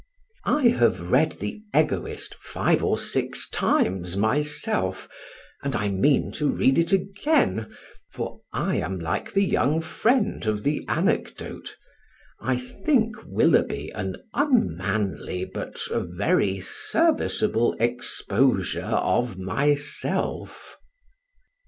I have read The Egoist five or six times myself, and I mean to read it again; for I am like the young friend of the anecdote I think Willoughby an unmanly but a very serviceable exposure of myself.